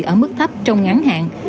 ở mức thấp trong ngắn hạn